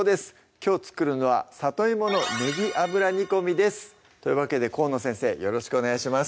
きょう作るのは「里芋のねぎ油煮込み」ですというわけで河野先生よろしくお願いします